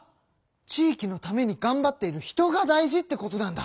地域のためにがんばっている人が大事ってことなんだ！